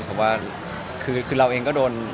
เพราะว่าคือเราเองก็โดน